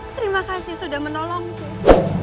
terima kasih sudah menolongku